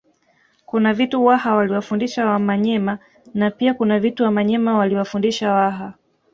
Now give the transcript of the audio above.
Kuna vitu Waha waliwafundisha Wamanyema na pia kuna vitu Wamanyema waliwafundisha Waha